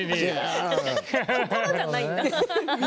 心じゃないんだ。